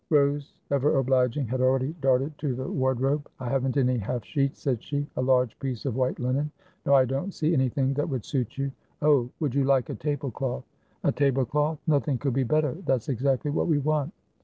Rose, ever obliging, had already darted to the ward robe. "I haven't any half sheets," said she. "A large piece of white linen — no, I don't see anything that would suit you — Oh ! would you like a tablecloth? " "A tablecloth? Nothing could be better; that's ex actly what we want."